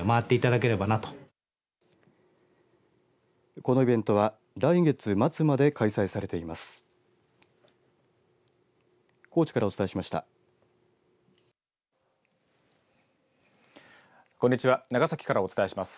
このイベントは来月末まで開催されています。